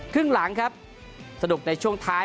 ครึ่งหลังครับสนุกในช่วงท้าย